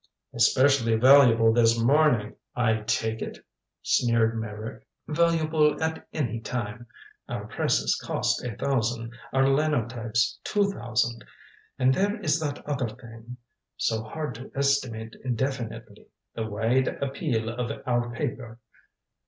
"Especially valuable this morning, I take it," sneered Meyrick. "Valuable at any time. Our presses cost a thousand. Our linotypes two thousand. And there is that other thing so hard to estimate definitely the wide appeal of our paper.